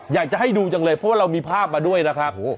อยากจะให้ดูจังเลยเพราะว่าเรามีภาพมาด้วยนะครับ